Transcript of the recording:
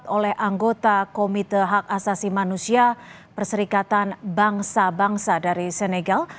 oleh anggota komite hak asasi manusia perserikatan bangsa bangsa dari senegal